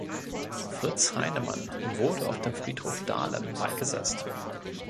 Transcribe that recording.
Fritz Heinemann wurde auf dem Friedhof Dahlem beigesetzt.